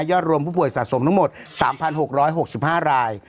รวมผู้ป่วยสะสมทั้งหมด๓๖๖๕ราย